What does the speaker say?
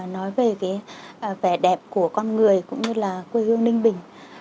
nói về cái vẻ đẹp của con người cũng như là quê hương ninh bình